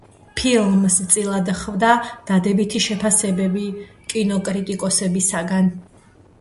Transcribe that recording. ფილმს წილად ხვდა დადებითი შეფასებები კინოკრიტიკოსებისგან.